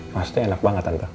pasti enak banget tante